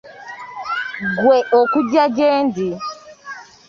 Gwe okugya gyendi.